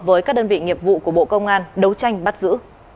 với các đơn vị nghiệp vụ của bộ công an đấu tranh bắt giữ